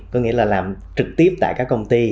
có nghĩa là làm trực tiếp tại các công ty